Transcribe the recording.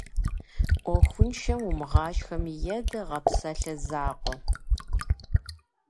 Ӏуэхуншэм умыгъашхэми едэ, гъэпсалъэ закъуэ.